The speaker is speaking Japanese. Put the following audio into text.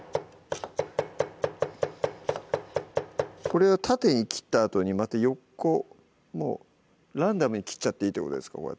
これは縦に切ったあとにまた横もランダムに切っちゃっていいってことですか？